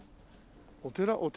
お寺？